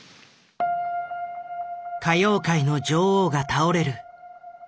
「歌謡界の女王が倒れる」。